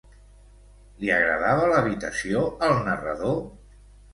Li agradava l'habitació al narrador?